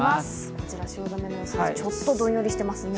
こちら汐留の様子、どんよりしてますね。